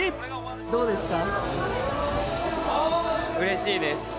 どうですか？